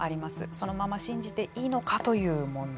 そのまま信じていいのかという問題。